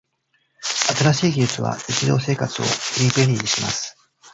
新しい技術は日常生活をより便利にします。